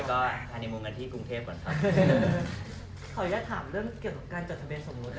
ตอนนี้ก็ฮารีมูลกันที่กรุงเทพก่อนครับ